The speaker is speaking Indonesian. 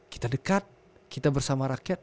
kita dekat kita bersama rakyat